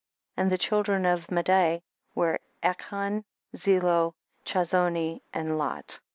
5. And the children of Madai were Achon, Zeelo, Chazoni and Lot.